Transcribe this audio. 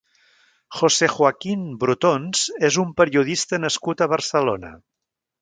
José Joaquín Brotons és un periodista nascut a Barcelona.